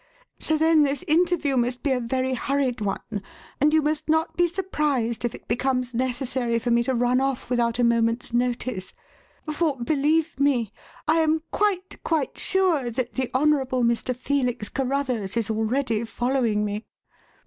So, then, this interview must be a very hurried one, and you must not be surprised if it becomes necessary for me to run off without a moment's notice; for believe me, I am quite, quite sure that the Honourable Mr. Felix Carruthers is already following me."